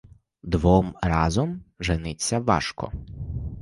Двом разом жениться важко.